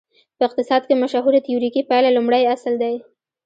په اقتصاد کې مشهوره تیوریکي پایله لومړی اصل دی.